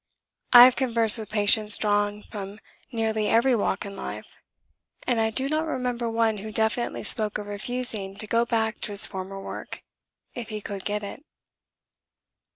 I have conversed with patients drawn from nearly every walk in life, and I do not remember one who definitely spoke of refusing to go back to his former work if he could get it.